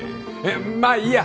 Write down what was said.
まあいいや。